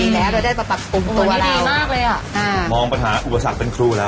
ใช่ค่ะ